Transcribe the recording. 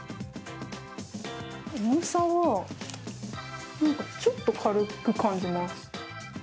重さはなんかちょっと軽く感じます。